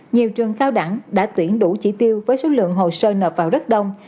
nhiều trường cao đẳng đã tuyển đủ chỉ tiêu với số lượng hồ sơ nợ vào rất đông